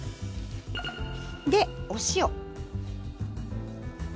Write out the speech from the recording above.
でお塩。